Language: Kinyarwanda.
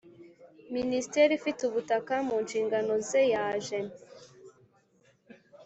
Minisiteri ifite ubutaka mu nshingano ze yaje